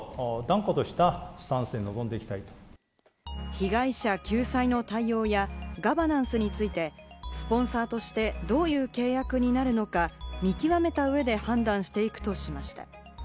被害者救済の対応や、ガバナンスについてスポンサーとして、どういう契約になるのか見極めた上で判断していくとしました。